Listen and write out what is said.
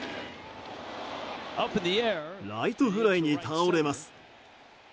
ライトフライに倒れます。